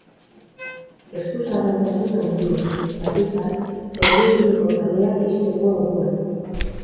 Eskuzabaltasun handia, batik bat erdiguneko kaleak ixteko orduan.